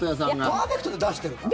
パーフェクトで出してるから。